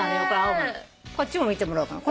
こっちも見てもらおうかな。